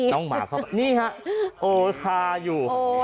นี่ค่ะโอ๊ยคาอยู่